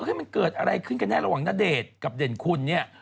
ให้มันเกิดอะไรขึ้นกันแน่ระหว่างณเดชน์กับเด่นคุณเนี่ย